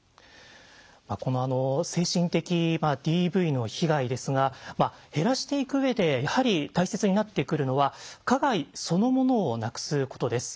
この精神的ＤＶの被害ですが減らしていく上でやはり大切になってくるのは加害そのものをなくすことです。